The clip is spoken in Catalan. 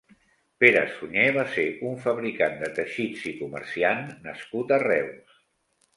Pere Sunyer va ser un fabricant de teixits i comerciant nascut a Reus.